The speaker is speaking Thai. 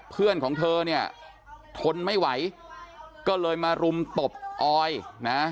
เพื่อนของเธอเนี่ยทนไม่ไหวก็เลยมารุมตบออยนะ